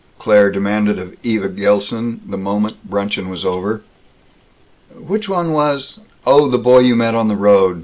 Claire demanded of Eva Gilson, the moment bruncheon was over. "Which one was Oh, the boy you met on the road?